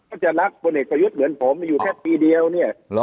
จะรักพลเอกประยุทธ์เหมือนผมอยู่แค่ปีเดียวเนี่ย